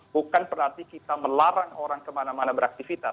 bukan berarti kita melarang orang kemana mana beraktivitas